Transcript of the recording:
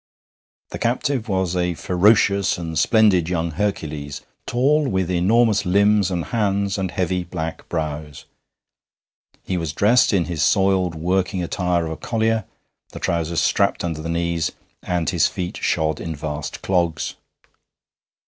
The captive was a ferocious and splendid young Hercules, tall, with enormous limbs and hands and heavy black brows. He was dressed in his soiled working attire of a collier, the trousers strapped under the knees, and his feet shod in vast clogs.